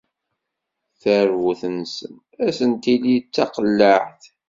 Tarbut-nsen, ad sen-tili d taqellaɛt.